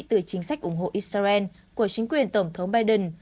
từ chính sách ủng hộ israel của chính quyền tổng thống biden